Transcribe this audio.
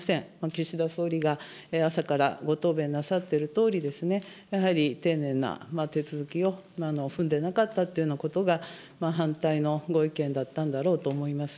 岸田総理が朝からご答弁なさってるとおり、やはり丁寧な手続きを踏んでなかったっていうようなことが、反対のご意見だったんだろうと思います。